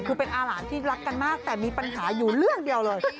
คือเป็นอาหลานที่รักกันมากแต่มีปัญหาอยู่เรื่องเดียวเลย